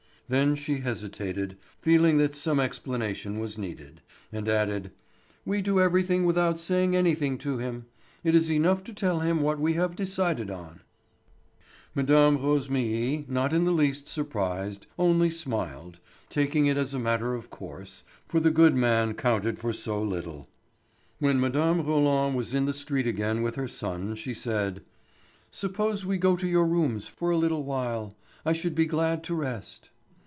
Then she hesitated, feeling that some explanation was needed, and added: "We do everything without saying anything to him. It is enough to tell him what we have decided on." Mme. Rosémilly, not in the least surprised, only smiled, taking it as a matter of course, for the good man counted for so little. When Mme. Roland was in the street again with her son she said: "Suppose we go to your rooms for a little while. I should be glad to rest."